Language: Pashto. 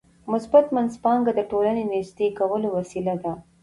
مثبت منځپانګه د ټولنې نږدې کولو وسیله ده.